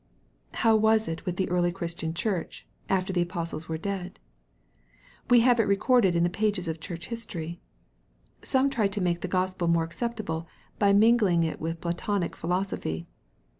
How was it with the early Christian Church, after the apostles were dead ? We have it recorded in the pages of Church history. Some tried to make the Gospel more acceptable by mingling it with Platonic philosophy.